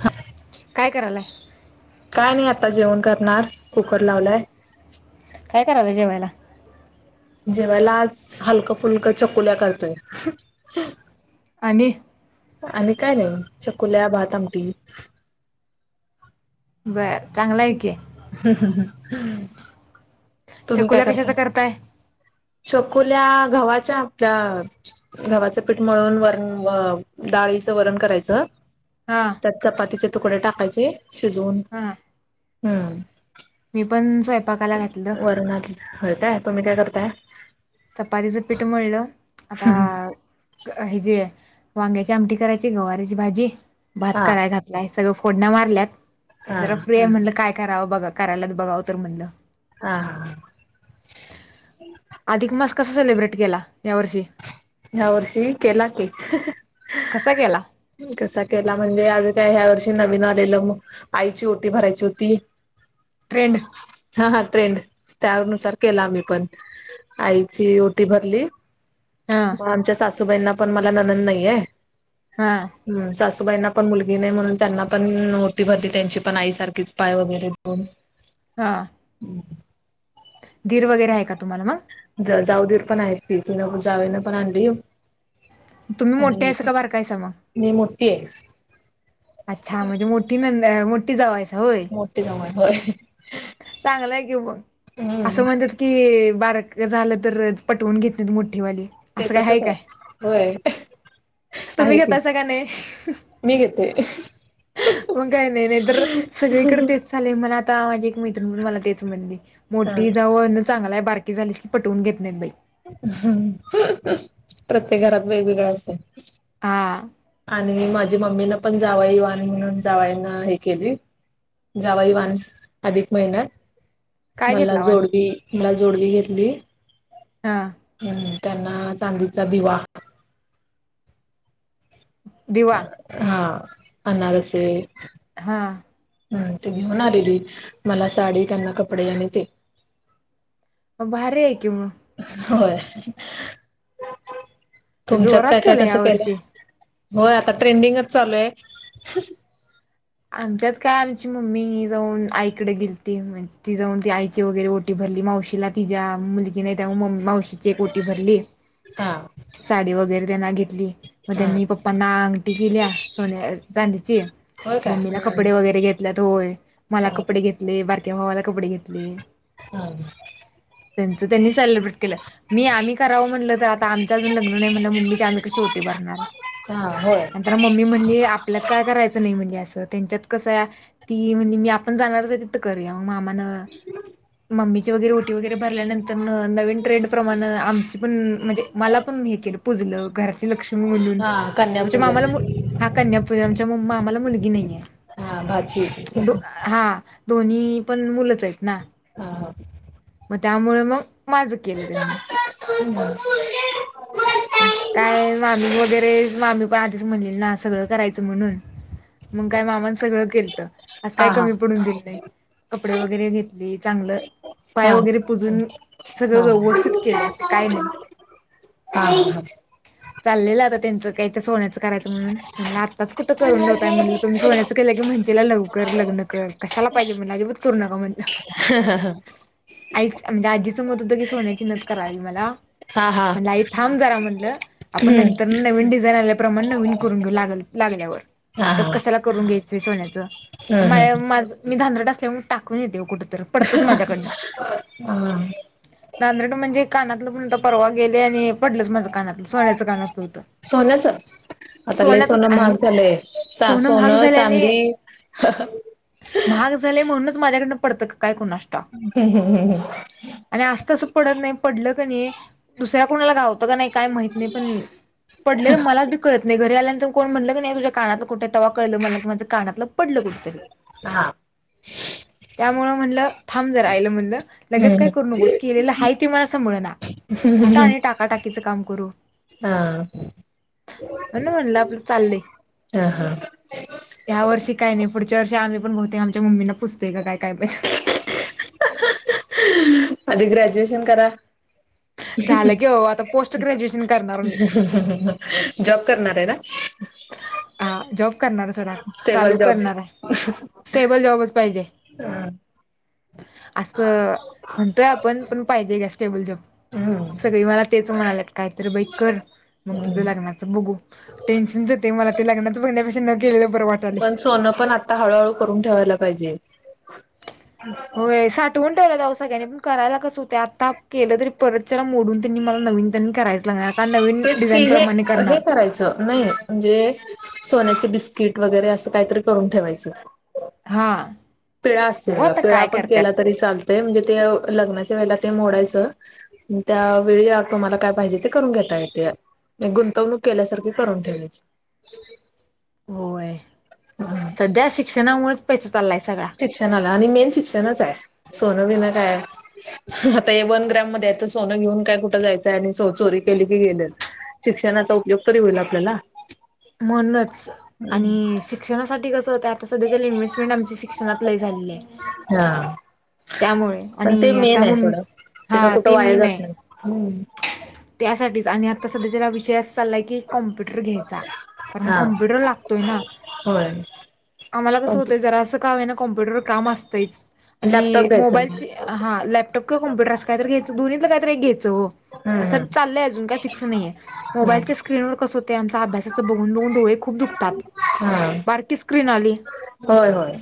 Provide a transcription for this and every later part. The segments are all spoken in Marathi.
हा काय करायलाय काय नाही आता जेवण करणार कुकर लावलाय काय करायलाय जेवायला जेवयलाच आज हलकं फुलकं चकोल्या करतोय आणि आणि काय नाही चकोल्या भात आमटी बर चांगल हाय की तुम्ही काय चकुल्या करता कशाचा करताय चकोल्या गव्हाच्या आपल्या गव्हाचं पीठ मळून वरण व डाळीचं वरण करायचं हा त्यात चपातीचे तुकडे टाकायचे शिजवून हू हू मी पण स्वयंपाकाला घातलं व्हय काय तुम्ही काय करताय चपातीच पीट मळल आता हीजे वांग्याची आमटी करायची गवारीची भाजी भात हा कराय घात लाय सगळं फोडण्या मारल्यात आता हा जरा हा फ्री आहे म्हणलं काय करावं ब कराल्यात बघावं तर म्हटलं आ अधिक मास कसा सेलिब्रेट केला? यावर्षी? ह्या वर्षी केला की. कसा केला? कसा केला म्हणजे, आमी काय ह्या वर्षी नवीन आलेलं मग, आईची ओटी भरायची होती. ट्रेड. हा हा ट्रेंड. त्यानुसार केला आम्ही पण. आईची ओटी भरली. हां म आमच्या सासूबाईंना पण, मला ननंद नाहीये. हां हम्म, सासूबाईंना पण मुलगी नाही. म्हणून त्यांना पण ओटी भरली त्यांची पण. आईसारखीच पाय वगैरे पडून. हा. हम्म. दीर वगैरे आहे का तुम्हाला मग? जाऊ देर पण आहेती. तीन जावेन पण आणली. तुम्ही आणि मी मोठ्यासा पण का बारकायसा मग? मी मोठीये. अच्छा म्हणजे मोठी नंद मोठी जावहायसा होय? मोठी जावूये होय. चांगलंय कि मग. असं हम्म म्हणजे कि बारक झालं तर पटवून घेतेत मोठीवाली. ते असं काय हाय तसच काय? आहे होय आहे तुम्ही की घतासा का नाही? मी घेते. मग काही नाही. नाही तर सगळीकडे तेच चाले. मला आता माझे मैत्रीण पण मला तेच म्हणली. हा मोठी जाऊ होन चांगलाय. बारकी झालीस की पटवून घेत नाहीत बाई. प्रत्येक घरात वेगवेगळं असतय. हां. आणि माझी मम्मीन पण जावई आणि म्हणून जावईना हे केली. जावईवान अधिकमहीन्यात. काय मला घेतला वाण जोडवी, मला जोडवी घेतली. हा. हम्म, त्यांना चांदीचा दिवा. दिवा. हा. अनारसे. हा. हम्म, ते घेऊन आलेली. मला साडी, त्यांना कपडे आणि ते. म भारीये कि म. होय. तुमच्यात जोरात काय काय केलं कसं या केलंय? वर्षी होय आता ट्रेंडिंगच चालूये. आमच्यात काय आमची मम्मी जाऊन आईकडे गेलती. म्ह ती जाऊन ती आई तीची वगैरे ओटी भरली. मावशीला तिच्या मुलगी नाही. त्या मावशी तीची एक ओटी भरली. हा साडी वगैरे त्यांना घेतली. मग हा त्यांनी पप्पांना अंगठी केल्या. सोन्या चांदीची. होय काय मम्मीला कपडे हम्म वगैरे घेतल्यात. होय मला कपडे घेतले. बारक्या भावाला कपडे घेतले. ह [unintelligible] त्यांच त्यांनी सेलिब्रेट केलं. मी आम्ही करावं म्हटलं तर आता आमचं अजून लग्न नाही म्हण मम्मीच्याचे आम्ही कशी ओटी भरणार का होय नंतरन मम्मी म्हणली आपल्यात काय करायचं नाही म्हणली असं तर त्यांच्यात कसं आहे ती म्हणजे मी आपण जाणारच आहे तिथं करूया मग मामान मम्मीची वगैरे ओटी वगैरे भरल्यानंतर नवीन ट्रेंड प्रमाण आमची पण म्हणजे मला पण हे केलं पुजलं घर लक्ष्मी म्हणून हा कन्यापूजन मामाला हा कन्यापूज आ मामाला मुलगी नाहीये हा भाची हा दोन्ही पण मुलंच आहेत ना हा ह मग त्यामुळं मग माझं केलं त्यांनी ह [unintelligible] वगैरे मामी पण आधीच म्हणलेल ना सगळं करायचं म्हणून मग काय मामान सगळं केलत असं काय हा कमी पडून दिलं नाही कपडे वगैरे घेतली चांगलं हा पाय हा वगैरे पुजून सगळं हा व्यवस्थित केलं काय नाही हा, हा चाललेलं आता त्यांचं काही तर सोन्याचं करायचं म्हणून म्हणलं आत्ताच कुठं करून हा ठेवताय म्हणल सोन्याचं केलं की म्हणशीला लवकर लग्न कर कशाला पाहिजे म्हण अजिबात करू नका म्हणल हा, हा, हा आईच म्हणजे आजीचं मत होतं की सोन्याची नथ करावी मला हा हा म्हण आई थांब करा म्हटलं आपण हम्म नंतरन नवीन डिझाईन आल्यापमाण नवीन करून घेऊ लाग लागल्यावर हा आताच हा कशाला करून घ्यायचंय सोन्याच हम्म हम्म माय माझं मी धांदरट असल्यामुळं टाकून येते ओ कुठतर पडतंच माझ्याकडन ह धांदरट म्हणजे कानातलं पण तर परवा गेले आणि पडलच माझं कानातलं सोन्याचं कानातल होतं सोन्याचं आता लई सोन सोन्याचंच आहे महाग झालय चा महाग सोनं, झाल्याने चांदी महाग झाल म्हणूनच माझ्याकडन पडतं काय कुणाष्ठव हम, हम, हम, हम आणि आस तसं पडत नाही पडलं क नाही दुसऱ्या कोणाला घावतं का नाही काय माह नाही पण पडलेलं मला पण कळत नाही घरी आल्यानंतर कोण म्हटलं की नाही तुझ्या कानातल कुठे तवा कळल मला की माझं कानातलं पडलं कुठतरी हा त्यामुळं म्हणलं थांब जरा आईला म्हणलं लगेच काय हम्म करू नकोस की केलेलं हाय ती मला संभळणा कुठं आणि टाकाटाकीचं काम करू हा म्हणून म्हणलं आपलं चाललय ह, ह या वर्षी काय नाही पुढच्या वर्षी आम्ही पण बहतेक आमच्या मम्मीना पुजतय काय काय माहित आधी ग्रॅज्युएशन करा झालं की बाबा आता पोस्ट ग्रॅज्युएशन करणार मी जॉब करणार आहे ना आ जॉब करणार आहे सोडा स्टेबल चालू जॉब करनार आहे सेबल जॉबच पाहिजे हम्म असं म्हणतोय आपण पण पाहिजे घ्या स्टेबल जॉब सगळी मला तेच म्हणालेत कायत बाई कर मग तुझं हम्म लग्ना बघू. टेन्शनच येतंय मला ते लग्नाचं. बघण्यापेक्षा न केलेलं बरं. वाटालंय पण सोनं पण, आता हळूहळू करून ठेवायला पाहिजे. होय. सा मोडून ठेवलेत आव सगळ्यांनी. पण करायला कसं होतय. आता केलं तरी, परत चला मोडून त्यांनी मला नवीन त्यांनी करायचं लागणार. नवीन, डिझाईनप्रमाणे करणार. चं नाही. म्हणजे, सोन्याचं बिस्किट वगैरे, असं काहीतरी करून ठेवायचं. हांआ. पिळा असतोय बघा. पिळा पण केला तरी चालतय. म्हणजे, ते लग्नाच्या वेळेला ते मोडायचं. त्यावेळी आ तुम्हाला काय पाहिजे? ते करून घेता येतया. गुंतवणूक केल्यासारखी, करून ठेवायची. होय. सध्या शिक्षणामुळेच पैसा चाललाय सगळा. शिक्षणाला आणि मेन शिक्षचाय. सोनं- बिना काय? आता हे वन ग्राम मध्येय, तर सोनं घेऊन काय, कुठं, जायचंय? आणि सो चोरी केली की, गेलं. शिक्षणाचा उपयोग तरी होईल आपल्याला. मनूनच आणि शिक शिक्षणासाठी कस होतंय, आता सध्याच्या इन्हेस्टमेट आमची शिक्षणात झालीय. हा, पण ते आणि आता मेनाय मग सोडा. ते काय कुठं? वाया जात नाही. हम. त्यासाठीच आणि आता सध्याचेला विषय असा चाललाय की, कॉम्प्युटर घ्यायचा. कारण हा कॉम्प्युटर लागतोय ना. होय. आम्हाला कसं होतंय, जरा असं का होईना कॉम्प्युटरवर काम असतंयच. लॅपटॉप आणि घ्यायचा मग मोबाईलची हां, लॅपटप का कम्प्युटर, आस काहीतरी घ्यायचा. दोन्हीतल काही तरी एक घ्यायचं ओ. हम्म असं चाललंय. अजून काय फिक्स नाहीये. हम्म मोबाईलचे स्क्रीनवर कसं होतंय, आमचं. अभ्यासाचं बघून - बघून डोळे खूप दुखतात. हा. हा बारकी स्क्रीन आली. होय होय.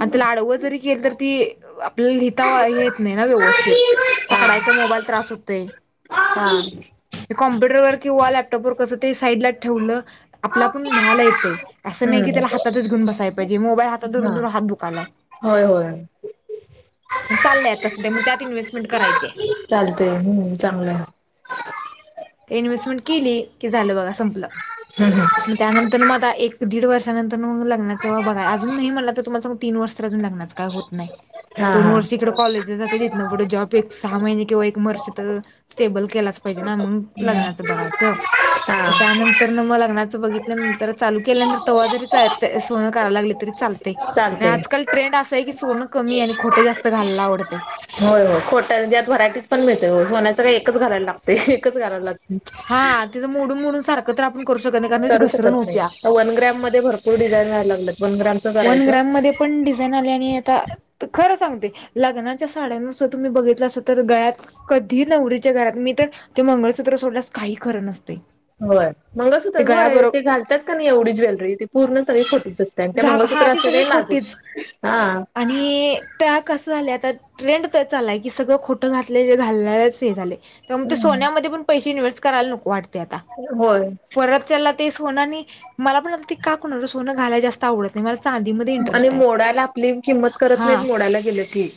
अन् तीला आडवं जरी केल, तर ती आपल्याला लिहिता वा हे येत नाही ना व्यवस्थित. पकडायचा मोबाईल त्रास होतोय. हा. कॉम्प्युटरवर किंवा लॅपटॉपवर कसं, ते साईडला ठेवलं आपला पण लिहायला येतंय. असं नाही की, हम्म त्याला हातातच घेउन बसायला पाहिजे. मोबाईल हातात धरून- हा धरून हात दूकायलाय. होय, होय. मग चालय आता सध्या. मग त्यात इन्व्हेस्टमेंट करायचीय. चालतय. हम्, चांगलं. इन्व्हेस्टमेंट केली, की झालं बघा संपलं. हं, हं. त्यांतर मग आता एक- दीड वर्षानंतर मग लग्नाचा बघाया. अजून नाही, मला तर तुमाला सांगू, तीन वर्ष तर अजून लग्नाच काय होत नाही. हा दोन वर्षे इकडं कॉलेजला जात. तीथन पुढं जॉब, एक हा. सहा महिने किंवा एक वर्ष तर स्टेबल केलाच पाहिजे ना. मंग लग्नाचं बघायचं. हा मग त्यानंतर तर न मग लग्नाचं बघितल्यानंतर, चालू केल्यानंतर, तव्हा जरी चालताय सोन करा लागली तरी चालत तय. आणि चालतय आजकाल ट्रेंड असंय, की सोनं कमी आणि खोटं जास्त घालायला आवडते. होय, हो. खोट्या ज्यात व्हरायटीज पण मिळतय ओ. सोन्याचं काय, एकच घालायला लागते. एकच घालायला लागते. हा तिथं मोडून- मोडून सारखं तर आपण, करू शकत नाही. कारण त्याची करू घसरण शकत नाही. होत्या आता वन ग्रॅम मध्ये भरपूर डिझाइन याय लागल्यात. वन ग्रॅम वन ग्रॅम मध्ये पण डिझाईन आले आणि आता तर खरं सांगते लग्नाच्या साड्या नुस्त तुम्ही बघितलं अस तर गळ्यात कधी नवरीच्या घरात मी तर ते मंगळसूत्र सोडल्यास काही खरं नसतंय. होय मंगळसूत्र होय ते घालतात क नाय एवढी ज्वेलरी ते पूर्ण सगळी खोटीच अस त्या त्यान त्य झा मंगळसूत्र हा ती असते सगळी लई खोटीच नाजूक हा. आणि त्या कसं आल्या आता ट्रेंड तेच चाललाय की सगळं खोटं घातले घालणारच हे झालय. त्यामुळं ते हम्म सोन्या मध्ये पण पैसे इन्वेस्ट् करायला नको वाटतंय आता. होय. परत त्याला ते सोनं आणि मला पण आता ते का कुणाला सोनं घालायला जास्त आवडत नाय. मला चांदीमध्ये आणि इंटरेस्ट आहे मोडायला आपली किंमत करत हा नायत मोडायला गेल की.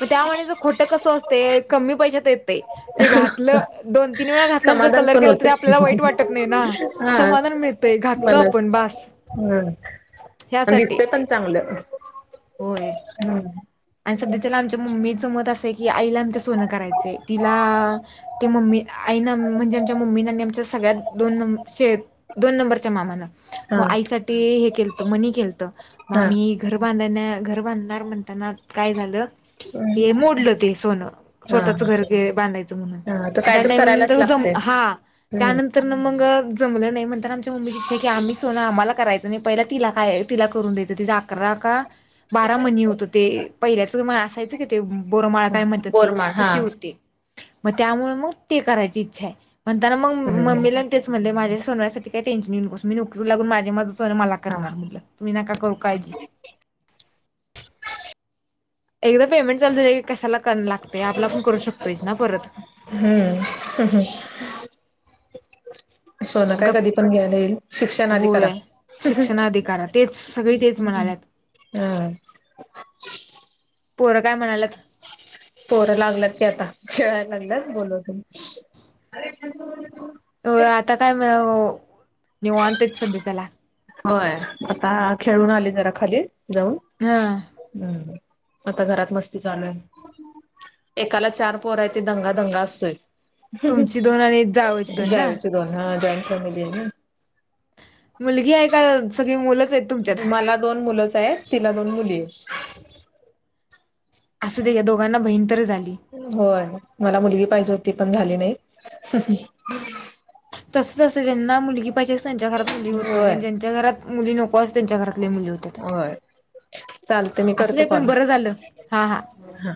म त्या वाणीच खोटं कसं असतंय कमी पैशात येतंय. ते घातलं दोन तीन वेळा घातल्या जर समाधान कलर पण गेला तरी होते आपल्याला वाईट वाटत नाय ना. हा समाधान मिळ तय घातल आपण मनात बास. हम्म, अन् ह्यासाठी दिसतय पण चांगलं होय हम्. आणि सध्याच्याला आमच्या मम्मीचं मत असंय की आईला आमच्या सोनं करायचंय. तिला ते मम्मी आई ना म्हणजे आमच्या मम्मी आणि आमच्या सगळ्यात दोन शे दोन नंबरच्या मानान. हा म आईसाठी हे केलत मनी केलत मग हा आम्ही घर बांधण्या घर बांधणार म्हणताना काय झालं हे मोडलं ते सोनं हा स्वतःच हा घर बांधायचं म्हणून. तर म त्या कायतरी करायलाच नंतर लागते हां. हम्म. तर ना मग जमलं नाय म्हंताना आमच्या मम्मीची इच्छा हाय की आम्ही सोन आम्हाला कराय च नाय पहिला तिला काय तिला करून द्यायचं तिचा अकरा का बारा मनी होत ते पहिल्याच म असायचं की ते बोरमाळा काय म्हणतात ते बोरमाळ हा तशी होती. म त्यामुळ मग ते करायची इच्छा आय म्हणताना मग हम्म मम्मीला तेच म्हणलय माझ्या सोनव्यासाठी काय टेन्शन घेऊ नकोस. मी नुकरीला लागून माझ्या माझं सोन मला हा करणार म्हटलं तुम्ही नका करू काळजी. एकदा पेमेंट चालू झाल की कशाला कन लागतय आपला पण करू शकतोयच ना परत. हम्म. सोन मग काय कधी पण घ्यायला येईल शिक्षण आधी करा. होय [inaudible] शिक्षण अधिकार तेच सगळी तेच म्हणाल्यात हा. पोरं काय म्हणाल्यात? पोर लागल्यात की आता खेळायला लागल्यात बोलावते. होय आता काय म्हणावं निवांतच सगळे चला. होय आता खेळून आली जरा खाली जाऊन. हा. हम्म, आता घरात मस्ती चालू आय. एकाला चार पोरा हायती दंगा दंगा असतोय. तुमची दोन आणि जावयाची दोन ना जावीचे दोन हा जॉईंट फॅमिली आय ना. मुलगी आय का सगळी मुलंच आयत तुम? मला दोन मुलंच आयत तिला दोन मुली आयत. असूद्या या दोघांना भहिण तर झाली. होय मला मुलगी पाहिजे होती पण झाली नाय. तस असतंय ज्यांना मुलगी पाहिजे त्यांच्या घरात मुली होत नाय होय आणि ज्यांच्या घरात मुली नको असत त्यांच्या घरात लय मुली होय चालते मी करते असुदे पण कॉल बरं झालं. हा हा हा